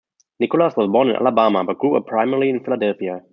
Nicholas was born in Alabama, but grew up primarily in Philadelphia.